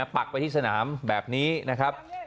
ปักไปที่สนามแบบนี้นะครับ